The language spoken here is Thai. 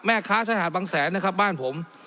คล้ายชายหาดบางแสนนะครับบ้านผม